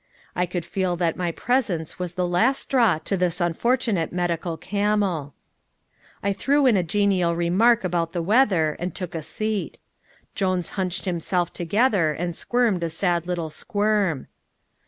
I could feel that my presence was the last straw to this unfortunate medical camel. I threw in a genial remark about the weather, and took a seat. Jones hunched himself together, and squirmed a sad little squirm.